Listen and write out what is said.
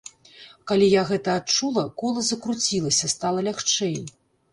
Калі я гэта адчула, кола закруцілася, стала лягчэй.